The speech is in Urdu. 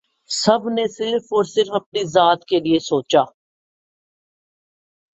سب نے صرف اور صرف اپنی ذات کے لیئے سوچا